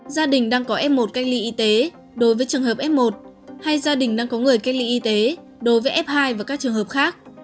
gia đình đang có f một cách ly y tế đối với trường hợp f một hay gia đình đang có người cách ly y tế đối với f hai và các trường hợp khác